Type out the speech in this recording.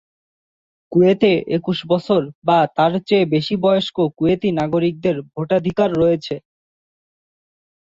কুয়েতে একুশ বছর বা তার চেয়ে বেশি বয়স্ক কুয়েতি নাগরিকদের ভোটাধিকার রয়েছে।